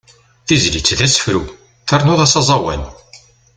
Tizlit d asefru, ternuḍ-as aẓawan.